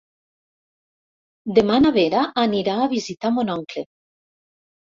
Demà na Vera anirà a visitar mon oncle.